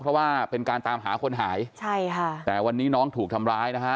เพราะว่าเป็นการตามหาคนหายใช่ค่ะแต่วันนี้น้องถูกทำร้ายนะฮะ